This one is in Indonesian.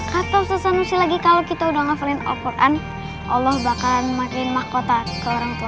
kata usaha nusi lagi kalau kita udah ngafalin alquran allah bahkan makin mahkota ke orang tua